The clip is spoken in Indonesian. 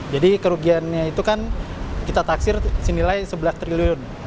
jadi kerugiannya itu kan kita taksir senilai rp sebelas triliun